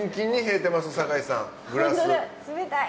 冷たい！